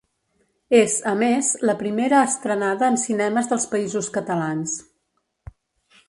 És, a més, la primera estrenada en cinemes dels Països Catalans.